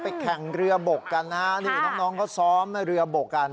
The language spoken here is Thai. แข่งเรือบกกันนะฮะนี่น้องเขาซ้อมเรือบกกัน